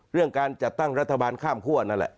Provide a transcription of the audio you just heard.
เรื่องการจัดตั้งรัฐบาลข้ามคั่วนั่นแหละ